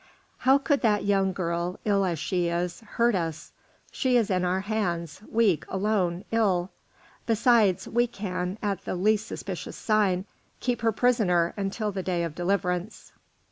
"How could that young girl, ill as she is, hurt us? She is in our hands, weak, alone, ill. Besides, we can, at the least suspicious sign, keep her prisoner until the day of deliverance."